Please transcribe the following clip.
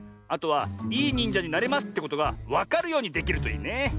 あとは「いいにんじゃになれます！」ってことがわかるようにできるといいね。